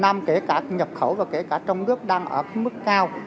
năm kể cả nhập khẩu và kể cả trong nước đang ở mức cao